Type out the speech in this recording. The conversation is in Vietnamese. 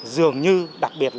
dường như đặc biệt là